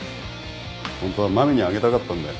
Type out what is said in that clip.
ホントは真実にあげたかったんだよ。